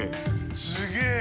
すげえ。